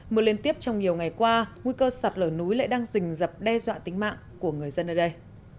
mưa liên tiếp trong nhiều ngày qua nguy cơ sạt lở núi lại đang rình dập đe dọa tính mạng của người dân ở đây